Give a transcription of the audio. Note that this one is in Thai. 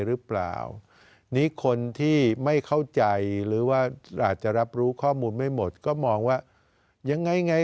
หรือเปล่านี่คนที่ไม่เข้าใจหรือว่าอาจจะรับรู้ข้อมูลไม่หมดก็มองว่ายังไงไง